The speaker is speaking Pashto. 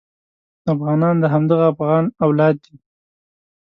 افغانان د همدغه افغان اولاد دي.